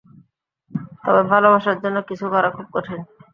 তবে ভালোবাসার জন্য কিছু করা, খুব কঠিন।